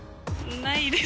ないです。